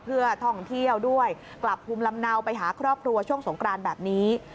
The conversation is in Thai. เพื่อท่องเที่ยวด้วยกลับภูมิลำเนาไปหาครอบครัวช่วงสงกรานแบบนี้